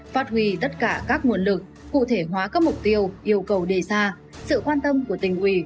phát huy tất cả các nguồn lực cụ thể hóa các mục tiêu yêu cầu đề ra sự quan tâm của tỉnh ủy